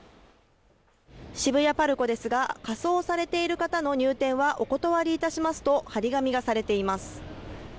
渋谷パルコですが仮装されている方の入店はお断りいたしますと貼り紙がされています